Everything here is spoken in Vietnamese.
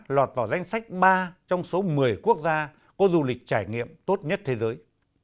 lọt vào danh sách ba trong số một mươi quốc gia có du lịch trải nghiệm tốt nhất thế giới